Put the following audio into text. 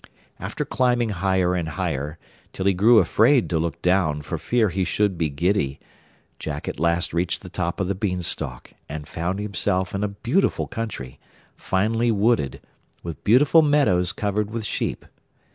After climbing higher and higher, till he grew afraid to look down for fear he should be giddy, Jack at last reached the top of the Beanstalk, and found himself in a beautiful country, finely wooded, with beautiful meadows covered with sheep.